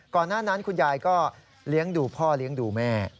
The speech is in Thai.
ก่อนหน้านั้นคุณยายก็เลี้ยงดูพ่อเลี้ยงดูแม่